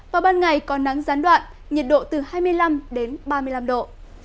vào ban ngày có nắng gián đoạn nhiệt độ từ hai mươi năm đến ba mươi năm độ